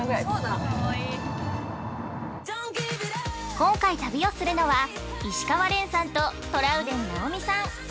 ◆今回、旅をするのは石川恋さんとトラウデン直美さん。